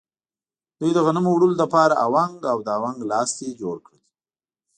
دوی د غنمو وړلو لپاره اونګ او د اونګ لاستی جوړ کړل.